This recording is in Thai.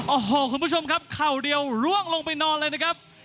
โอ้โหคุณผู้ชมครับเข่าเดียวล่วงลงไปนอนเลยนะครับ